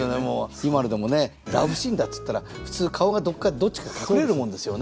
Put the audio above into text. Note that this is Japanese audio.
今のでもねラブシーンだっつったら普通顔がどっちか隠れるもんですよね。